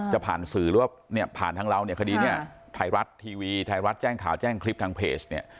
จะผ่านสื่อหรือว่าเนี่ยผ่านทางเราเนี่ยคดีเนี่ยไทยรัฐทีวีไทยรัฐแจ้งข่าวแจ้งคลิปทางเพจเนี่ย